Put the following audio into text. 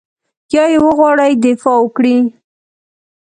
یا یې وغواړي دفاع وکړي.